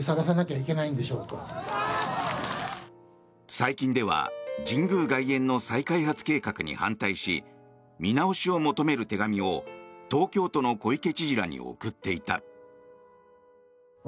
最近では神宮外苑の再開発計画に反対し見直しを求める手紙を東京都の小池知事らに送っていた。